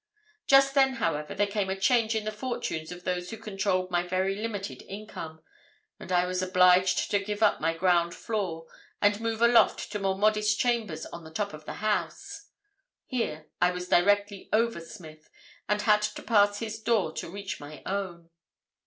"Just then, however, there came a change in the fortunes of those who controlled my very limited income, and I was obliged to give up my ground floor and move aloft to more modest chambers on the top of the house. Here I was directly over Smith, and had to pass his door to reach my own.